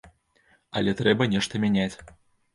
Але трэба нешта мяняць.